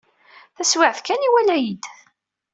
Taswiɛt kan, iwala-iyi-d.